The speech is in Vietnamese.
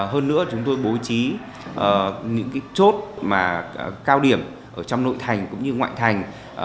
hơn nữa chúng tôi bố trí những chốt cao điểm ở trong nội thành cũng như ngoại thành